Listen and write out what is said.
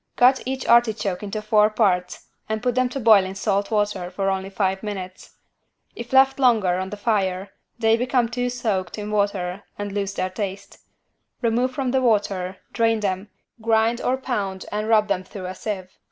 Cut each artichoke into four parts and put them to boil in salt water for only five minutes. If left longer on the fire they become too soaked in water and lose their taste. Remove from the water, drain them, grind or pound and rub them through a sieve.